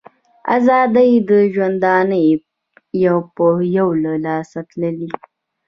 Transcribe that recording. آزادۍ د ژوندانه یې یو په یو له لاسه تللي